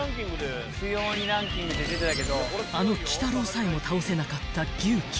［あの鬼太郎さえも倒せなかった牛鬼］